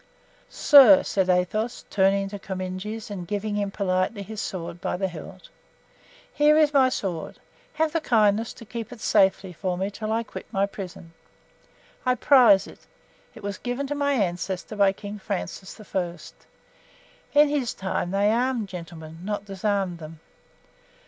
"Sir," said Athos, turning to Comminges and giving him politely his sword by the hilt, "here is my sword; have the kindness to keep it safely for me until I quit my prison. I prize it—it was given to my ancestor by King Francis I. In his time they armed gentlemen, not disarmed them.